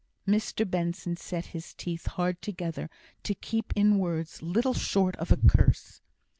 Mr Benson set his teeth hard together, to keep in words little short of a curse.